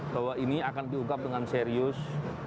bahwa ini akan diungkap dengan serius